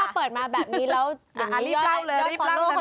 ถ้าเปิดมาแบบนี้แล้วอย่างนี้ยอดฟอลโล่เขาจะตกไง